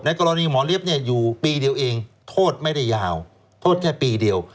กรณีหมอเล็บอยู่ปีเดียวเองโทษไม่ได้ยาวโทษแค่ปีเดียว